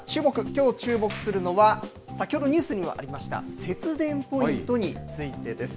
きょうチューモクするのは、先ほどニュースにもありました、節電ポイントについてです。